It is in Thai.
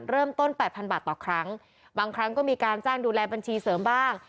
แปดพันบาทต่อครั้งบางครั้งก็มีการจ้างดูแลบัญชีเสริมบ้าง